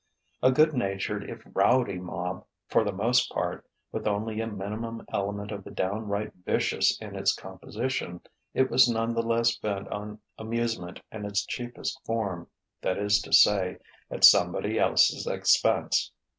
A good natured if rowdy mob, for the most part, with only a minimum element of the downright vicious in its composition, it was none the less bent on amusement in its cheapest form, that is to say, at somebody else's expense.